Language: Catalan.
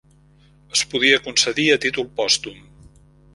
Es podia concedir a títol pòstum.